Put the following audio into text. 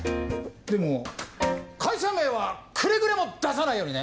でも会社名はくれぐれも出さないようにね！